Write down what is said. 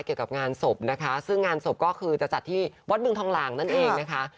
เกี่ยวกับงานศพนะคะซึ่งงานศพก็คือจะจัดที่วัดบึงทองหลางนั่นเองนะคะ